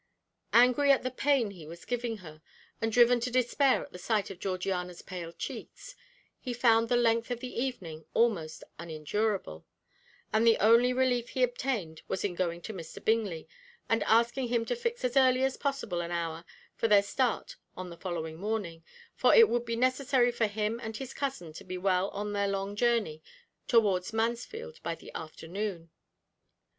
Angry at the pain he was giving her, and driven to despair at the sight of Georgiana's pale cheeks, he found the length of the evening almost unendurable, and the only relief he obtained was in going to Mr. Bingley, and asking him to fix as early as possible an hour for their start on the following morning, for it would be necessary for him and his cousin to be well on their long journey towards Mansfield by the afternoon.